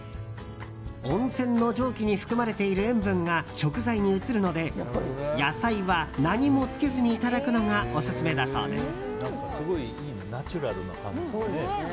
温泉の蒸気に含まれている塩分が食材に移るので野菜は何もつけずにいただくのがオススメだそうです。